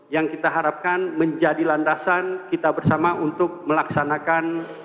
yang kita harapkan menjadi landasan kita bersama untuk melaksanakan